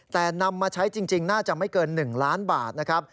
แต่นำมาใช้จริงน่าจะไม่เกิน๑ล้านบาทนะครับ